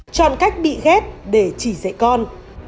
chọn cách bị ghét để chỉ dạy con